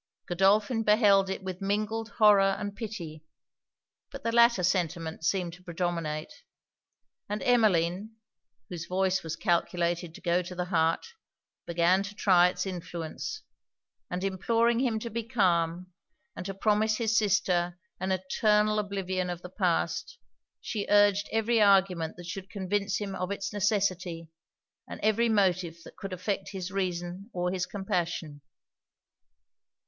Godolphin beheld it with mingled horror and pity; but the latter sentiment seemed to predominate; and Emmeline, whose voice was calculated to go to the heart, began to try it's influence; and imploring him to be calm, and to promise his sister an eternal oblivion of the past, she urged every argument that should convince him of it's necessity, and every motive that could affect his reason or his compassion.